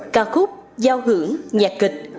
ca khúc giao hưởng nhạc kịch